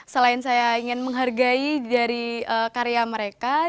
selain saya ingin menghargai dari karya mereka